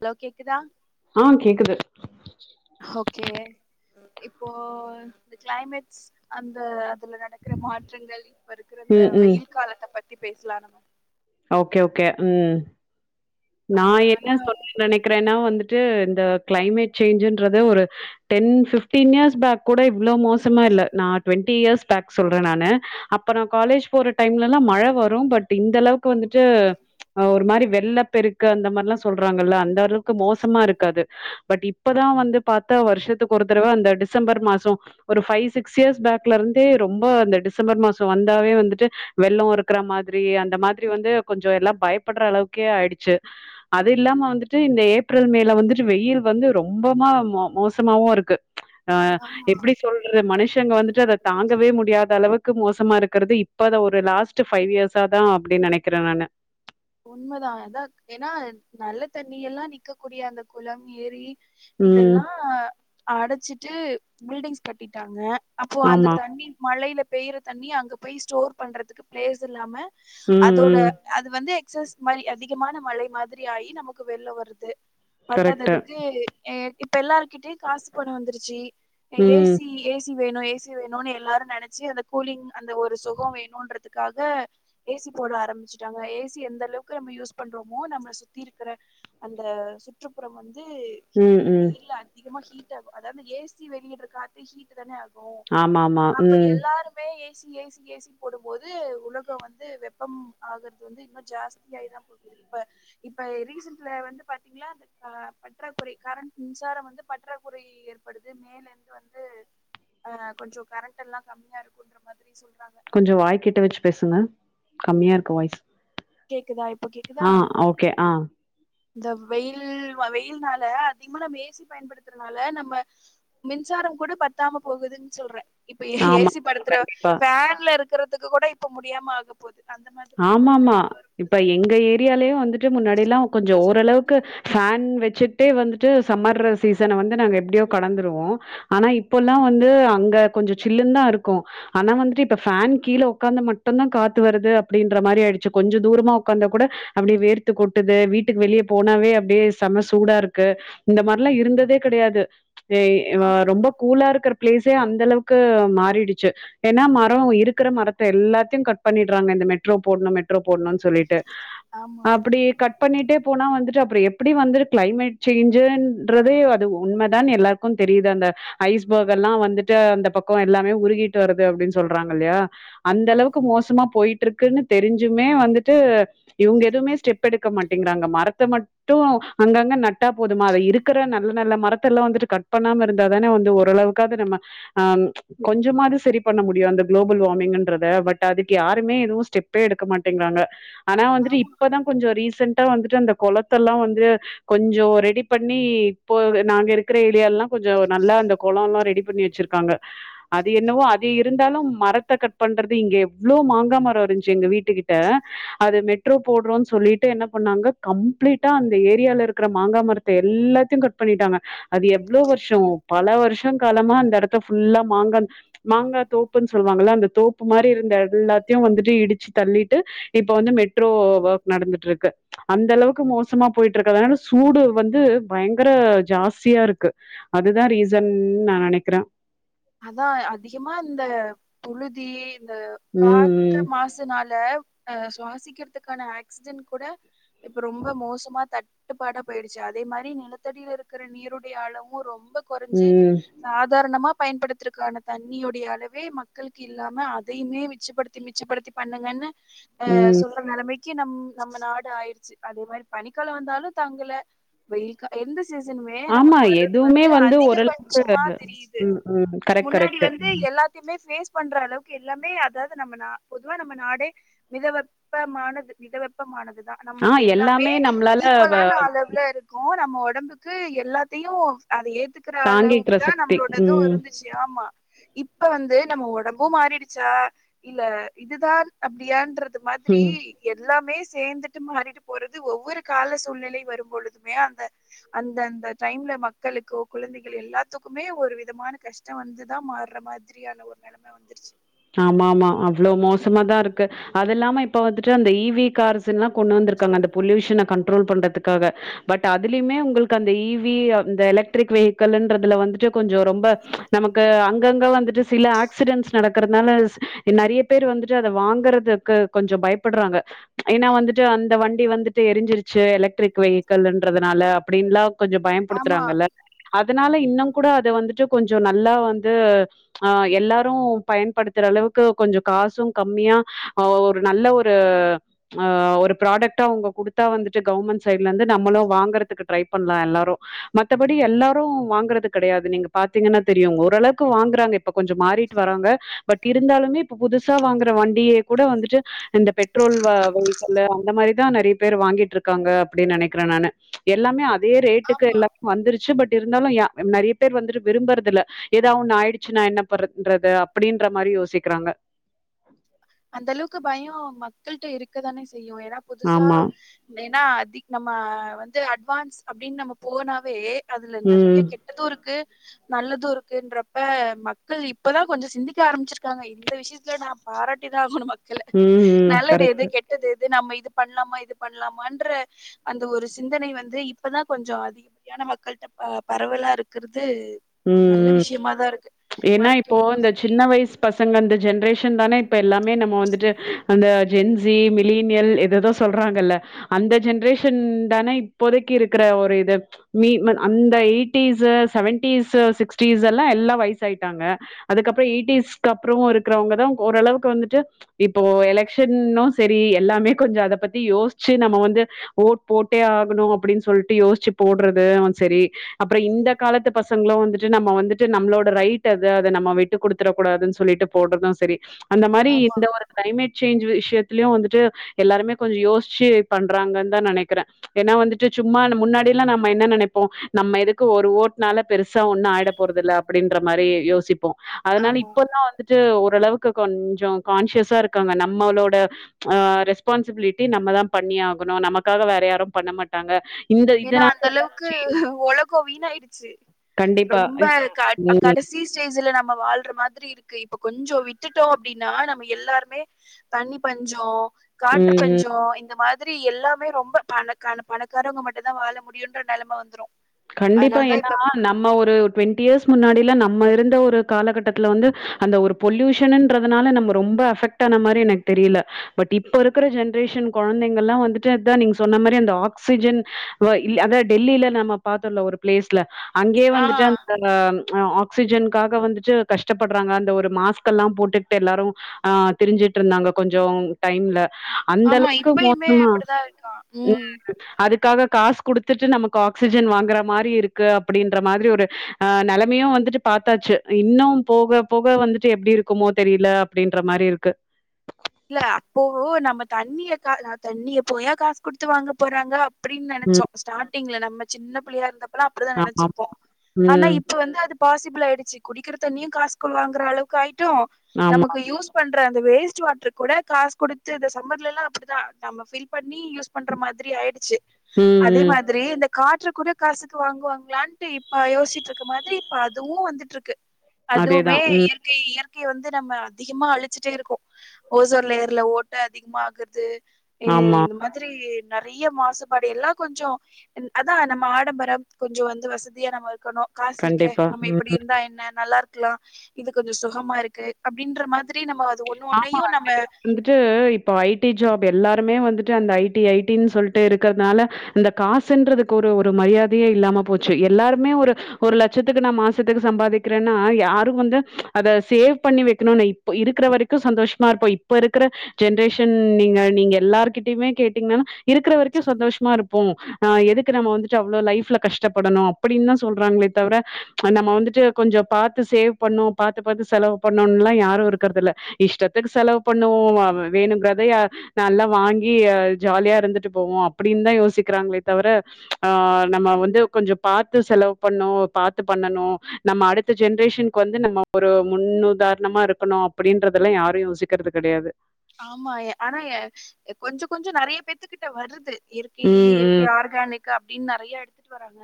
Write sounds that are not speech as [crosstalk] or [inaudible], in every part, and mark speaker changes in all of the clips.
Speaker 1: Hello கேக்குதா
Speaker 2: ஆ கேக்குது
Speaker 1: ஒகே இப்போ இந்த க்ளைமேட்ஸ் அந்த அதுல நடக்கிற மாற்றங்கள் இப்ப இருக்கிற இந்த
Speaker 2: ம் ம்
Speaker 1: வெய்யில் காலத்த பத்தி பேசலா நம்ம
Speaker 2: ஓகே ஓகே ம்
Speaker 1: ஆ
Speaker 2: நா என்ன
Speaker 1: ஆனா
Speaker 2: சொல்ல நெனைக்கிறேன்னா வந்துட்டு இந்த க்ளைமேட் சேஞ்சுன்றது ஒரு டென் ஃப்டீன் இயர்ஸ் பேக் கூட இவ்வளோ மோசமா இல்ல நா டுவெண்ட்டி இயர்ஸ்ஸு பேக் சொல்றே நானு அப்ப நா காலேஜ் போற டைம்ல எல்லா மழ வரு பட் இந்த அளவுக்கு வந்துட்டு ஆ ஒரு மாரி வெள்ள பெருக்கு அந்த மாரிலா சொல்றாங்கல்ல அந்த அளவுக்கு மோசமா இருக்காது பட் இப்பதா வந்து பாத்தா வர்ஷத்துக்கு ஒரு தடவ அந்த டிசம்பர் மாசோ ஒரு ஃபைவ் சிக்ஸ் இயர்ஸ்ஸு பேக்ல இருந்தே ரொம்ப அந்த டிசம்பர் மாசோ வந்தாவே வந்துட்டு வெள்ளோ இருக்குற மாதிரி அந்த மாதிரி வந்து கொஞ்சோ எல்லா பயப்படுற அளவுக்கே ஆய்டுச்சு அது இல்லாம வந்துட்டு இந்த ஏப்ரல் மேல வந்துட்டு வெய்யில் வந்து ரொம்பமா மோ மோசமாவு இருக்கு ஆ
Speaker 1: ஆமா
Speaker 2: எப்டி சொல் றது மனுஷங்க வந்துட்டு அத தாங்கவே முடியாத அளவுக்கு மோசமா இருக்கிறது இப்ப அத ஒரு லாஸ் ட்டு ஃபைவ் இயர்ஸ தா அப்டி நெனைக்கிறே நானு
Speaker 1: உண்மதா அதா ஏன்னா [inaudible] நல்ல தண்ணி எல்லா நீக்கக்கூடிய அந்த குளம் ஏரி
Speaker 2: ம்.
Speaker 1: இதெல்லா அடைச்சிட்டு பில்டிங்ஸ் கட்டிட்டாங்க அப்போ அந்த
Speaker 2: ஆமா.
Speaker 1: தண்ணி மழையில பெய்யிற தண்ணி அங்க போய் ஸ்டோர் பண்றதுக்கு ப்ளேஸ் இல்லாம
Speaker 2: ம்,
Speaker 1: அதோட
Speaker 2: ம்.
Speaker 1: அது வந்து எக்ஸஸ் மாரி அதிகமான மழை மாதிரி ஆயி நமக்கு வெள்ள வருது
Speaker 2: கரெக்ட்டு.
Speaker 1: பத்தாததுக்கு ஏ இப்ப எல்லாருக்கிட்டயு காசு பண வந்துருச்சு ஏ ஏ
Speaker 2: ம்,
Speaker 1: சி ஏ சி வேணு ஏ சி வேணுனு எல்லாரு நெனைச்சு அந்த கூலிங் அந்த ஒரு சுகோ வேணும்ன்றதுக்காக ஏ சி போட ஆரம்பிச்சுட்டாங்க ஏ சி எந்த அளவுக்கு நம்ம யூஸ் பண்றோமோ நம்மள சுத்தி இருக்கிற அந்த சுற்றுப்புற வந்து
Speaker 2: ம், ம்.
Speaker 1: இல்ல அதிகமா ஹீட் ஆகு அதாவ்து ஏ சி வெளியிடுற காத்த ஹீட் டுதானே ஆகு
Speaker 2: ஆமாமா.
Speaker 1: அப்ப
Speaker 2: ம்.
Speaker 1: எல்லாரு மே A C A C A C போடுபோது உலகோ வந்து வெப்பம் ஆகுறது வந்து இன்னோ ஜாஸ்தியாயி தா போகுது இப்ப இப்ப ரீசென்ட்ல வந்து பாத்தீங்ளா அந்த ஆ பற்றாக்குறை கரண்ட் மின்சார வந்து பற்றாக்குறை ஏற்படுது மேலருந்து வந்து ஆ கொஞ்சோ கரண்ட் எல்லா கம்மியா இருக்குன்ற மாதிரி சொல்றாங்க
Speaker 2: கொஞ்சோ வாய்க்கிட்ட வச்சு பேசுங்க கம்மியா இருக்கு வாய்ஸ்
Speaker 1: கேக்குதா இப்ப கேக்குதா
Speaker 2: ஆ ஓகே ஆ
Speaker 1: இந்த வெயில் வ வெயில்னால அதிகமா நம்ம ஏசி பயன்படுத்துறதுனால நம்ம மின்சாரோ கூட பத்தாம போகுதுன்னு சொல்றே இப்ப
Speaker 2: ஆமா.
Speaker 1: ஏசி படுத்துற
Speaker 2: கண்டிப்பா.
Speaker 1: ஃபேன்ல இருக்குறதுக்கு கூட இப்ப முடியாம ஆகப்போது
Speaker 2: ஆமாமா இப்ப எங்க ஏரியாலயு வந்துட்டு முன்னாடியெல்லா கொஞ்சோ ஓரளவுக்கு ஃபேன் வச்சு டே வந்துட்டு சம்மர் சீசன வந்து நாங்க எப்டியோ கடந்துருவோ ஆனா இப்ப ல்லா வந்து அங்க கொஞ்ச சில்லுனா தா இருக்கு ஆனா வந்துட்டு இப்ப ஃபேன் கீழ உக்காந்தா மட்டுதா காத்து வருது அப் அப்டின்ற மாரி ஆயிருச்சு கொஞ்ச தூரமா ஒக்காந்த கூட அப்டியே வேர்த்து கொட்டுது வீட்டுக்கு வெளிய போனாவே அப்டியே செம சூடா இருக்கு இந்த மாரிலா இருந்ததே கெடையாது ஏய் வா
Speaker 1: ஆமா
Speaker 2: ரொம்ப கூலா இருக்கிற பிளேஸே அந்த அளவுக்கு மாறிடுச்சு ஏனா மரோ இருக்கிற மரத்த எல்லாத்தையு கட் பண்ணிடுறாங்க இந்த மெட் ரோ போடணு மெட்ரோ போடணுனு சொல்லிட்டு
Speaker 1: ஆமா
Speaker 2: அப்டி கட் பண்ணிட்டே போனா வந்துட்டு அப்பறோ எப்டி வந்து கிளைமேட் சேஞ்சுன்றதே அது உண்ம தானு எல்லாரு க்கு தெரியுது அந்த ஐஸ்பர்க் எல்லா வந்துட்டு அந்த பக்கோ எல்லாமே உருகிட்டு வருது அப்டின்னு சொல்றாங்க இல்லையா அந்த
Speaker 1: ஆமா
Speaker 2: அளவுக்கு மோசமா போயிட்டு இருக்குன்னு தெரிஞ்சுமே வந்துட்டு இவுங்க எதுமே ஸ்டெப் எடுக்க மாட்டேங்கிறாங்க மரத்த மட் டு அங்கங்க நட்டா போதுமா அத இருக்கிற நல்ல நல்ல மரத்த எல்லா வந்துட்டு கட் பண்ணாம இருந்தா தான வந்து ஓரளவு க்காது நம்ம அ ம் கொஞ்சமாது செரி பண்ண முடியு அந்த குளோபல் வார்மிங்ன்றத பட் அதுக்கு யார் ருமே எதுவு ஸ்டெப்பே எடுக்க மாட்டேங்கிறாங்க ஆனா வந்துட்டு
Speaker 1: ஆமா
Speaker 2: இப்பதா கொஞ்சோ ரீசெண்டா வந்துட்டு அந்த குளத்தெல்லா வந்து கொஞ்சோ ரெடி பண்ணி இப்போ து நாங்க இருக்கிற ஏரியாலலா கொஞ்சோ நல்லா அந்த குளோ ல்லா ரெடி பண்ணி வச்சிரு க்காங்க அது என்னவோ அது இருந்தாலு மரத்த கட் பண்றது இங்க எவ்ளோ மாங் கா மரோ இருந்துச்சு எங்க வீட்டுக்கிட்ட அது மெட்ரோ போடுறோ சொல்லிட்டு என்ன பண்ணாங்க கம்ப்ளீட்டா அந்த ஏரியால இருக்கிற மாங்காமர த்த எல்லாத்தையு கட் பண்ணிட்டாங்க அது எவ்ளோ வருஷோ பல வருஷோ காலமா அந்த எடத்த ஃபுல்லா மாங்க மாங்கா தோப்புன்னு சொல்லுவாங்கள அந்த தோப்பு மாரி இருந்த எல்லா த்தையு வந்துட்டு இடிச்சு தள்ளிட்டு இப்ப வந்து மெட்ரோ ஒர்க் நடந்துட்டு இருக்கு அந்த அளவுக்கு மோசமா போயிட்டு இருக்கு அதனால சூடு வந்து பயங்கர ஜாஸ்தியா இருக்கு அதுதா ரீசன் நா நெனைக்கிறே
Speaker 1: அதா அதிகமா இந்த துழுதி இந்த
Speaker 2: ம்
Speaker 1: காற்று
Speaker 2: ம்
Speaker 1: மாசுனால அ சுவாசிக்கிறதுக்கான ஆக்சிஜன் கூட இப்ப ரொம்ப மோசமா தட் ட்டுப்பாடா போயிடுச்சு அதே மாரி நிலத்தடியில இருக்கிற நீருடைய அளவு ரொம்ப கொறஞ்சு
Speaker 2: ம்,
Speaker 1: சாதாரணமா பயன்படுத்துறதற்கான தண்ணியுடைய அளவே மக்களுக்கு இல்லாம அதையுமே மிச்சப்படுத்தி மிச்சப்படுத்தி பண்ணுங்கன்னு அஹ்
Speaker 2: ம்.
Speaker 1: சொல்ற நெலைமைக்கு நம் நம்ம நாடு ஆயிருச்சு அதே மாரி பனிக்காலோ வந்தாலு தாங்கல வெயில் கா எந்த சீசனுமே
Speaker 2: ஆமா,
Speaker 1: நமக்கு வர்றது
Speaker 2: எதுவுமே
Speaker 1: வந்து
Speaker 2: ஓரளவுக்கு
Speaker 1: அதிகபட்சமா தெரியுது
Speaker 2: ம், ம். கரெக்ட்,
Speaker 1: முன்னாடி
Speaker 2: கரெக்ட்.
Speaker 1: வந்து எல்லாத்தையுமே பேஸ் பண்ற அளவுக்கு எல்லாமே அதாவது நம்ம பொதுவா நம்ம நாடே மித வெெப்பமானது மித வெப்பமானதுதான்
Speaker 2: ஆ
Speaker 1: நம்மள்து எல்லாமே
Speaker 2: நம்மளால வ
Speaker 1: ஈக்குவலான அளவுல இரு க்கோ நம்ம உடம்புக்கு எல்லாத்தையும் அதை ஏத்துக்கற அளவுக்கு
Speaker 2: தாங்கிக்கிற
Speaker 1: தான்
Speaker 2: சக்தி.
Speaker 1: நம்மளோட
Speaker 2: ம்,
Speaker 1: ச்சி ஆமா இப்ப வந்து நம்ம உடம்பும் மாறிடுச்சா இல்ல இதுதான் அப்டியான்ன்ற அது மாதிரி
Speaker 2: ம்.
Speaker 1: எல்லாமே சேர்ந்துட்டு மாறிட்டு போறது ஒவ்வொரு கால சூழ்நிலை வரும் பொழுதுமே அந்த அந்த அந்த டைம்ல மக்களுக்கு குழந்தைகள் எல்லாத்துக்குமே ஒரு வித் விதமான கஷ்டம் வந்துதான் மாறுற மாதிரியான ஒரு நெலம வந்துருச்சு
Speaker 2: ஆமா ஆமா அவ்ளோ மோசமாதான் இருக்கு அது இல்லாம இப்ப வந்துட்டு அந்த இவி கார்ஸ் எல்லாம் கொண்டு வந்திருக்காங்க அந்த பொல்யூஷனை கண்ட்ரோல் பண்றதுக்காக பட் அதுலயுமே உங்களுக்கு அந்த இவி அந்த எலக்ட்ரிக் வெஹிக்கல்ன்றதுல வந்துட்டு கொஞ்சம் ரொம்ப நமக்கு அங்கங்க வந்துட்டு சில ஆக்சிடென்ஸ் நட இருக்கறால நிறைய பேர் வந்துட்டு அதை வாங்கறதுக்கு கொஞ்சம் பயப்படுறாங்க ஏன்னா வந்துட்டு அந்த வண்டி வந்துட்டு எரிஞ்சிருச்சு எலக்ட்ரிக் வெஹிக்கல்ன்றதுனால அப்டின்லா கொஞ்சம்
Speaker 1: ஆமா
Speaker 2: பயம்புடுத்துறாங்க எல்லா அதனால இன்னும் கூட அதை வந்துட்டு கொஞ்சம் நல்லா வந்து ஆ எல்லாரும் பயன்படுத்துற அளவுக்கு கொஞ்சம் காசும் கம்மியா ஆ ஒரு நல்ல ஒரு ஆ ஒரு ப்ராடக்டா அவுங்க குடுத்தா வந்துட்டு கவர்மெண்ட் சைட்ல இருந்து நம்மளும் வாங்கறதுக்கு ட்ரை பண்ணலாம் எல்லாரும் மத்தபடி எல்லாரும் வாங்குறது கிடையாது நீங்க பாத்தீங்கன்னா தெரியும் ஓரளவுக்கு வாங்குறாங்க இப்ப கொஞ்சம் மாறிட்டு வராங்க பட் இருந்தாலுமே இப்ப புதுசா வாங்கற வண்டியே கூட வந்துட்டு இந்த பெட்ரோல் வெஹிக்கலு அந்த மாரிதான் நிறைய பேர் வாங்கிட்டு இருக்காங்க அப்டின்னு நினைக்கிறேன் நானு எல்லாமே அதே ரேட்டுக்கு
Speaker 1: ஆமா
Speaker 2: எல்லாமே வந்துருச்சு பட் இருந்தாலும் நிறைய பேர் வந்துட்டு விரும்புறதில்ல ஏதாவ் ஒண்ணு ஆயிடுச்சுனா என்ன பண்றது அப்டின்ற மாரி யோசிக்கிறாங்க
Speaker 1: அந்த அளவுக்கு பயம் மக்களிட்ட இருக்கதானே செய்யும் ஏன்னா புதுசா
Speaker 2: ஆமா
Speaker 1: ஏன்னா அதிக நம்ம வந்து அட்வான்ஸ் அப்டின்னு நம்ம போனாவே அதுல
Speaker 2: ம்
Speaker 1: நிறைய கெ ட்டதும் இருக்கு நல்லதும் இருக்குன்றப்ப மக்கள் இப்பதான் கொஞ்சம் சிந்திக்க ஆரம்பிச்சிருக்காங்க இந்த விஷயத்துல நான் பாராட்டிதான் ஆகனும் மக்கள
Speaker 2: ம் ம்
Speaker 1: நல்லது எது
Speaker 2: கரெக்ட்டு
Speaker 1: கெட் ட்டது எது நம்ம இது பண்லாமா இது பண்லாமான்ற அந்த ஒரு சிந்தனை வந்து இப்பதான் கொஞ்சம் அதி சரியான மக்கள்கிட்ட பரவலா இருக்கிறது
Speaker 2: ம்
Speaker 1: நல்ல
Speaker 2: ம்
Speaker 1: விஷயமாதான் இருக்கு
Speaker 2: ஏன்னா இப்போ
Speaker 1: மருத்துவமு
Speaker 2: இந்த
Speaker 1: சரி
Speaker 2: சின்ன வயசு பசங்க அந்த ஜென்ரேஷன் தானே இப்ப எல்லாமே நம்ம வந்துட்டு அந்த ஜென்சி மிலீனியல் எதேதோ சொல்றாங்கல்ல அந்த ஜென்ரேஷன் தானே இப்போதைக்கு இருக்கிற ஒரு இது அந்த எயிட்டிஸு செவன்டீஸு சிக்ட்டிஸு எல்லாம் எல்லா வயசு சாய்ட்டாங்க அதுக்கப்பறம் எய்டீஸ்கு அப்பறம் இருக்கறவங்க தான் ஓரளவுக்கு வந்துட்டு இப்போ எலெக்ஷன்னும் சரி எல்லாமே கொஞ்சம் அத பத்தி யோசிச்சு நம்ம வந்து ஓட் போட்டே ஆகணும் அப்டின்னு சொல்ட்டு யோசிச்சு போடுறது செரி அப்பறம் இந்த காலத்து பசங்களும் வந்துட்டு நம்ம வந்துட்டு நம்மளோட ரைட் ட்டு அது அத நம்ம விட்டு குடுத்துற கூடாதுன்னு சொல்லிட்டு போடுறதும் சரி அந்த மாரி
Speaker 1: ஆமா
Speaker 2: இந்த ஒரு கிளைமேட் சேஞ்ச் விஷயத்திலயும் வந்துட்டு எல்லாருமே கொஞ்சம் யோசிச்சு பண்றாங்கன்னு தான் நினைக்கிறேன் ஏன்னா வந்துட்டு சும்மா முன்னாடி எல்லாம் நம்ம என்ன நினைப்போம் நம்ம எதுக்கு ஒரு ஓட்னால பெருசா ஒன்னு ஆய்ட போறதல்ல அப்டின்ற மாரி யோசிப்போம் அதனால
Speaker 1: ஆமா
Speaker 2: இப்பதா வந்துட்டு ஓரளவுக்கு கொஞ்சம் கான்சியஸா இருக்காங்க நம்மளோட அ ரெஸ்பான்சிபிலிட்டி நம்மதா பண்ணியஆகுணு நமக்காக வேறயாரு பண்ண மாட் டாங்க இந்த இதுனால [inaudible] ச்சி
Speaker 1: கோவினாய்டுச்சு
Speaker 2: கண்டிப்பா.
Speaker 1: ரொம்ப க
Speaker 2: ம்,
Speaker 1: கடசி ச்சிஸ்ல்ல நம்ம வாழ்ற மாதிரி இருக்கு இப்ப கொஞ்சொ விட்டுட்டோ அப்டின்னா நம்ம எல்லாருமே தண்ணி பஞ்சொ காற்று
Speaker 2: ம், ம்.
Speaker 1: பஞ்சொ இந்த மாதிரி எல்லாமே ரொம்ப பணக்கான பணக்காரவங்க மட் எதா வாழ முடியுன்ற நெலம வந்துரூ
Speaker 2: கண்டிப்பா என்னா நம் நம்ம ஒரு ட்வெண்டி யேர்ஸ் முன்னாடில நம்மஇருந்த ஒரு காலகட்டத்ல வந்து அந்த ஒரு பொல்யூஷனுன்றதுனால நம்ம ரொம்ப அஃபெக்ட் ஆன மாரி எனக் தெரியில பட் இப்ப இருக்கிற ஜென்ரேஷன் குழந்தைங்கல்லா வந்துட்டு அதா நீங்க சொன்ன மாரி அந்த ஆக்சிஜன் வ இல் அத டெல்லியில நம்ம பாத்தோல்ல ஒரு பிளேஸ்ல அங்கே வந்துட்டு
Speaker 1: ஆ
Speaker 2: அந் அ ஆக்சிஜன்க்காக வந்துட்டு கஷ்டப்படுறாங்க அந்த ஒரு மாஸ்க்கல்லாம் போட்டுக்ட்டு எல்லாரு ஆ திரிஞ்சுட்ருந்தாங்க கொஞ்சொ டைம்ல அந்த
Speaker 1: ஆமா
Speaker 2: அளவுக்கு
Speaker 1: இப்பயுமே
Speaker 2: மோசமா
Speaker 1: அப்படிதான் இருக்கான்
Speaker 2: ம் அதுக்காக காசு குடுத்துட்டு நமக் ஆக்ஸ் சிஜன் வாங்குற மாரி இருக்கு அப்பிடின்ற மாதிரி ஒரு அ நிலைமையு வந்துட்டு பாத்தாச்சு இன்னு போகபோக வந்துட்டு எப்டி இருக்குமோ தெரில அப்டின்ற மாரி இருக்கு
Speaker 1: இல்ல அப்போ நம்ம தண்ணிய கா அ தண்ணிய போயா காஸ் குடுத்து வாங்க போறாங்க அப்படின் நெனச்சோ
Speaker 2: ம்.
Speaker 1: ஸ்ட்டாடிங்ல நம்ம சின்ன பிள்ளையா இருந்தப்பல அப்டிதா
Speaker 2: ஆமா.
Speaker 1: நெனைச்சிர்ப்போ ஆனா
Speaker 2: ம்.
Speaker 1: இப் ப்ப வந்து அது பாசிபிள் ஆயிடுச்சு குடிக்கிற தண்ணியு காசுக்குள் வாங்கற அளவுக்கு ஆய்ட்டோ
Speaker 2: ஆமா.
Speaker 1: நம்மக்கு யூஸ் பண்ற அந்த வேஸ்ட் வாட்ரு கூட காஸ்குடுத்து இந்த சம்மர்ல எல்லா அப்டிதா நம்ப ஃபில் பண்ணி யூஸ் பண்ற மாதிரி ஆய்டுச்சு
Speaker 2: ம்,
Speaker 1: அதே
Speaker 2: ம்.
Speaker 1: மாத் திரி இந்த காற்று கூட காசுக்கு வாங்குவாங்களான்ட்டு இப்ப யோசிட்ருக்க மாதிரி இப்ப அதுவு வந்துட்ருக்கு அதுவுமே
Speaker 2: அதேதான். ம்.
Speaker 1: இயற்கை இயற்கைய வந்து நம்ம அதிகமா அழிச்சுட்டு இருக்கோ ஓசோன் லேயர்ல ஓட்ட அதிக்மா ஆகுது
Speaker 2: ஆமா.
Speaker 1: இந்த மாதி த்ரி நறிய மாசுபாடு எல்லா கொஞ்சொ அதா நம்ம ஆடம்பரம் கொஞ்சொ வந்து வசதியா நம்ம இர்க்கணு காசு இர்க்கே
Speaker 2: கண்டிப்பா.
Speaker 1: நம்ம
Speaker 2: ம்.
Speaker 1: இப்புடி இருந்தா என்ன நல்லா இருக் க்கலா இது கொஞ்சொ சுகமா இருக்கு அப்படின்ற மாதிரி நம்ம அது ஒண்ணு
Speaker 2: ஆமா.
Speaker 1: ஒன்னையு நம்ம
Speaker 2: அது வந்துட்டு இப்போ ஐ டி ஜாப் எல்லாருமே வந்துட்டு அந்த ஐ டி ஐ டின் சொல்ட்டு இருக்கற்துனால இந்த காசுன்றதுக்கு ஒரு ஒரு மரியாதையே இல்லாம போச்சு எல்லாருமே ஒரு ஒரு லட்சத்துக்கு நா மாசத்துக்கு சம்பாதிக்கிறேன்னா யாரு வந்து அத சேவ் பண்ணி வெக்கணும்னு இப்ப இருக்கிற வரக் க்கு சந்தோஷ்மா இருப்போ இப்ப இருக்கிற ஜென்ரேஷன் நீங்க நீங்க எல்லார்கிட்டயுமே கேட்டீங்கன்னன்னா இருக்குற வரிக்கு சந்தோஷ்மா இருப்போ அ எதுக்கு நம்ம வந்துட்டு அவ்ளோ லைஃப்ல கஷ்டப்படணு அப்படின்னு சொல்றாங்களே தவ்ர நம்ம வந்துட்டு கொஞ்சொ பாத்து சேவ் பண்ணு பாத்து பாத்து செலவ் பண்ணுன்ல்லா யாரு இருக்கற்துல்ல இஷ்டத்துக் செலவ் பண்ணுவோ வேணுங்க்றதையா நல்லா வாங்கி அ ஜாலியா இருந்துட்டு போவோ அப்புடின் தா யோசிக்கிறாங்களே தவிர ஆ நம்ம வந்து கொஞ்சொ பாத்து செலவ் பண்ணு பாத்து பண்ணணு நம்ம அடுத்த ஜென்ரேஷன்க்கு வந்து நம்ம ஒரு முன்னுதாரணமா இருக்கணு அப்படின்ற அதெல்லா யாரு யோசிக்கற்து கிடையாது
Speaker 1: ஆம்மா எ ஆனா ய கொஞ்சொ கொஞ்சொ நறைய பேத்துகிட்ட வருது எலுப்பி
Speaker 2: ம்,
Speaker 1: எலுப்பி
Speaker 2: ம்,
Speaker 1: யாருக் கன்னிக்காப்பின் நறைய எடுத்துட் வராங்க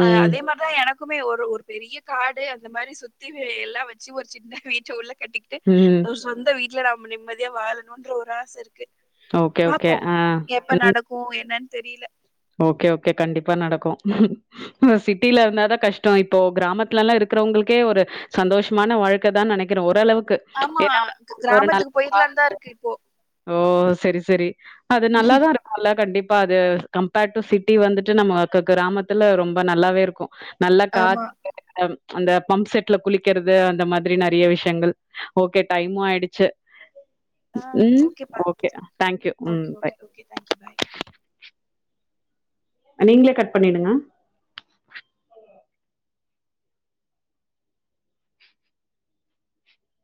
Speaker 1: அ அதே மார் தா எனக்குமே ஒரு ஒர் பெரிய காடு அந்த மாரி சுத்தி வே எல்லா வெச்சு ஒரு சின்ன வீட்ட உள்ள கட்டி டு
Speaker 2: ம்.
Speaker 1: ஒரு சொந்த வீட்ல நாம் நிம்மதியா வாழணுன்ற ஒரு ஆச இருக்கு
Speaker 2: ஓகே, ஓகே.
Speaker 1: பாப்போ
Speaker 2: ஆ.
Speaker 1: எப்ப
Speaker 2: ம்.
Speaker 1: நடக்கு என்னன் தெரிய்ல
Speaker 2: ஓகே ஓகே கண்டிப்பா நடக்கு சிட்டில இருந்தாதா கஷ்ட்டோ இப்போ கிராமத்துலல்லா இருக்குறவ்ங்ளுக்கே ஒரு சந்தோஷ்மான வாழ்க்க தா நனக்கிற ஓரு அளவுக்கு
Speaker 1: ஆமா கிராமத்துக்கு பொயிர்லான்தா இருக்கு இப்போ
Speaker 2: ஓ செரி செரி அது நல்லாதாரு அல்லா கண்டிப்பா அது கம்பேர் டூ சிட்டி வந்துட்டு நம்ம கு கு கிராமத்துல ரொம்ப நல்லாவே இருக்கு நல்ல காத்
Speaker 1: ஆமா
Speaker 2: அம் அந்த பம்ப் செட்ல குளிக்கற்து அந்த மாத்ரி நறிய விஷ்யங்கள் ஓகே டைமு ஆய்டுச்சு
Speaker 1: ஆ
Speaker 2: ம் ஓகே தேங்க்யூ ம் பாய்
Speaker 1: கி தேங்க்யூ பாய்
Speaker 2: அ நீங்கள கட் பண்ணிடுங்க